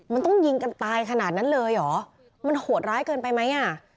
มันต้องยิงกันตายขนาดนั้นเลยเหรอมันโหดร้ายเกินไปไหมอ่ะ